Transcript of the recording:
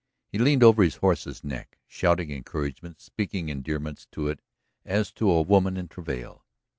He leaned over his horse's neck, shouting encouragement, speaking endearments to it as to a woman in travail.